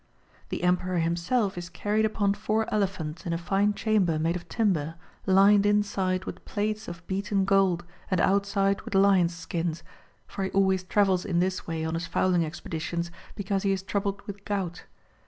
The Emperor himself is carried upon four elephants in a fine chamber made of timber, lined inside with plates of beaten gold, and outside with lions' skins [for he always travels in this way on his fowling expeditions, because he is troubled with gout].